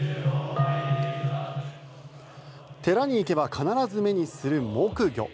寺に行けば必ず目にする木魚。